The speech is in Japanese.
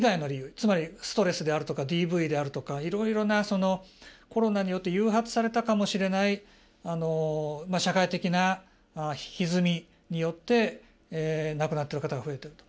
つまりストレスであるとかＤＶであるとかいろいろなコロナによって誘発されたかもしれない社会的なひずみによって亡くなってる方が増えてると。